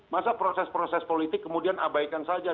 masa proses proses politik kemudian abaikan saja